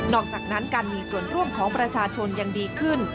อกจากนั้นการมีส่วนร่วมของประชาชนยังดีขึ้น